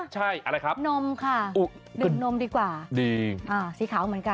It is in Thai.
ใช่อะไรครับนมค่ะดื่มนมดีกว่าดีอ่าสีขาวเหมือนกัน